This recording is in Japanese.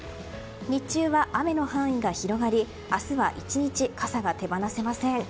日中は雨の範囲が広がり明日は１日傘が手放せません。